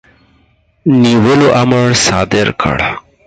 نیولو امر صادر کړ.